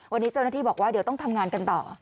วันนี้เจ้าหน้าที่บอกว่าเดี๋ยวต้องทำงานกันต่อ